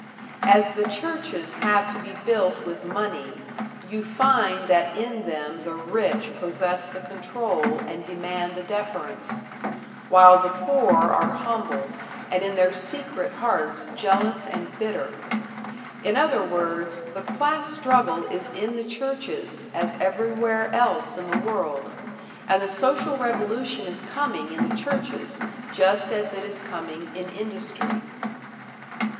As the churches have to be built with money, you find that in them the rich possess the control and demand the deference, while the poor are humble, and in their secret hearts jealous and bitter; in other words, the class struggle is in the churches, as everywhere else in the world, and the social revolution is coming in the churches, just as it is coming in industry.